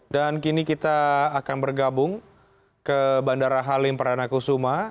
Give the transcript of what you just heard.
dan kini kita akan bergabung ke bandara halim peranakusuma